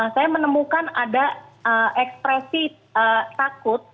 saya menemukan ada ekspresi takut